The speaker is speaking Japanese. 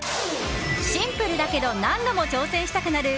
シンプルだけど何度も挑戦したくなる！